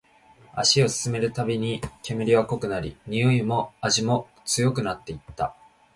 足を進めるたびに、煙は濃くなり、においも味も強くなっていった